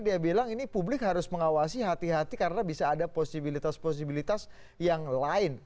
dia bilang ini publik harus mengawasi hati hati karena bisa ada posibilitas posibilitas yang lain